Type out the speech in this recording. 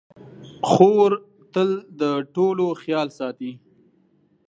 خور تل د ټولو خیال ساتي.